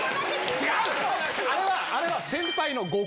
違う。